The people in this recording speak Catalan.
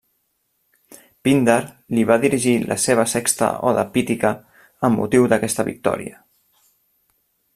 Píndar li va dirigir la seva sexta oda pítica amb motiu d'aquesta victòria.